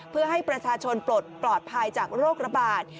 เพื่อให้ประชาชนปลดปลอดภัยจากโรคระบาด